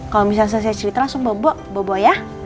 kalau selesai cerita langsung bobo ya